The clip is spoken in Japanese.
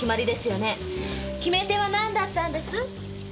決め手はなんだったんです？